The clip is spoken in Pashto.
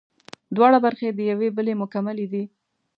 دواړه برخې د یوې بلې مکملې دي